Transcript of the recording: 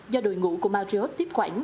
do đội ngũ của marriott tiếp quản